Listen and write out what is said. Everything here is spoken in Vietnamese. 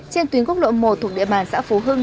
trên tuyến quốc lộ một thuộc địa bàn xã phú hưng